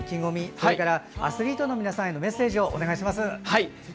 それからアスリートの皆さんへのメッセージをお願いします。